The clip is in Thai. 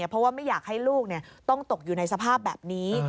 เพราะว่าไม่อยากให้ลูกต้องตกอยู่ในสภาพแบบนี้